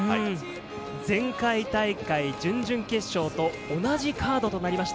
前回大会、準々決勝と同じカードとなりました。